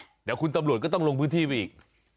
เดี๋ยวคุณตำรวจก็ต้องลงพื้นที่ไปอีก